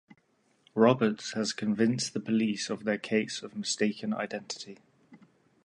Roberts has convinced the police of their case of mistaken identity.